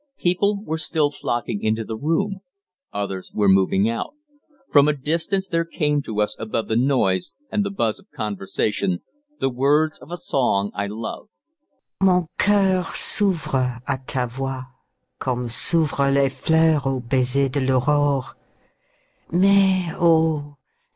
People were still flocking into the room. Others were moving out. From a distance there came to us above the noise and the buzz of conversation the words of a song I love: "Mon coeur s'ouvre à ta voix Comme s'ouvre les fleurs Aux baisers de l'aurore, Mais O!